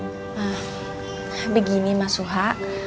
ah begini mas suha